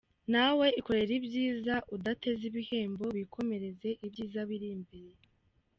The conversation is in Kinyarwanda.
Nawe ikorere ibyiza udateze ibihembo wikomereze “Ibyiza biri imbere”.